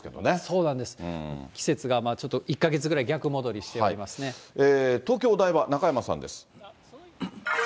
そうなんです、季節がちょっと１か月ぐらい逆戻りしておりま東京・お台場、中山さんです。